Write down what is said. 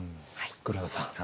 黒田さん。